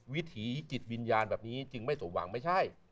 วิถีจิตวิญญาณแบบนี้จึงไม่สมหวังไม่ใช่